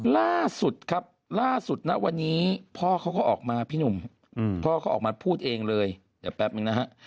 ล่าสุดครับล่าสุดนะวันนี้พ่อเขาก็ออกมาพี่หนุ่มพ่อเขาออกมาพูดเองเลยเดี๋ยวแป๊บนึงนะฮะ